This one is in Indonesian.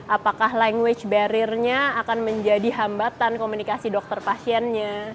apakah language barriernya akan menjadi hambatan komunikasi dokter pasiennya